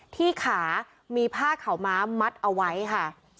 ที่ขามีผ้าขาวม้ามัดเอาไว้ค่ะ